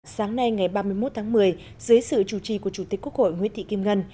sáng nay ngày ba mươi một tháng một mươi dưới sự chủ trì của chủ tịch quốc hội nguyễn thị kim ngân